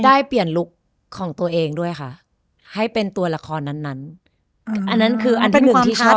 ได้เปลี่ยนลุคของตัวเองด้วยค่ะให้เป็นตัวละครนั้นนั้นอันนั้นคืออันที่หนึ่งที่ชอบ